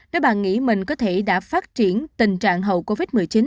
nếu bạn nghĩ mình có thể đã phát triển tình trạng hậu covid một mươi chín